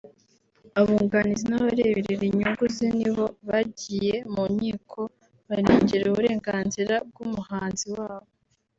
abunganizi n’abareberera inyungu ze ni bo bagiye mu nkiko barengera uburenganzira bw’umuhanzi wabo